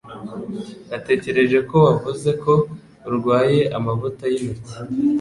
Natekereje ko wavuze ko urwaye amavuta yintoki.